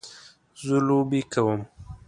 زه لوبې کوم